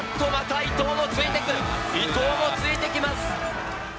伊藤もついていきます。